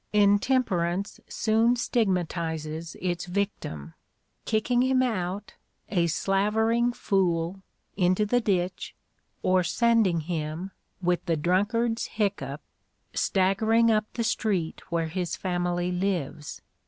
Intemperance soon stigmatizes its victim kicking him out, a slavering fool, into the ditch, or sending him, with the drunkard's hiccough, staggering up the street where his family lives.